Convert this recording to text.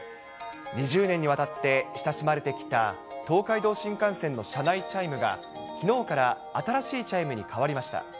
２０年にわたって親しまれてきた東海道新幹線の車内チャイムがきのうから新しいチャイムに変わりました。